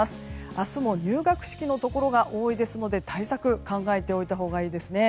明日も入学式のところが多いので対策を考えておいたほうがいいですね。